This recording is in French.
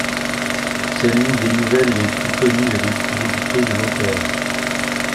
C'est l'une des nouvelles les plus connues et les plus éditées de l’auteur.